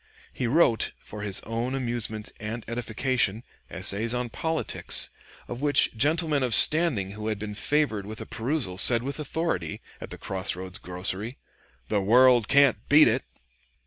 He wrote, for his own amusement and edification, essays on politics, of which gentlemen of standing who had been favored with a perusal said with authority, at the cross roads grocery, "The world can't beat it."